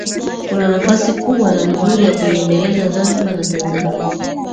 Kuna nafasi kubwa na nzuri ya kuiendeleza Zanzibar na Tanzania